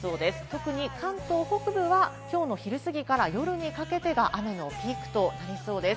特に関東北部はきょうの昼すぎから夜にかけてが雨のピークとなりそうです。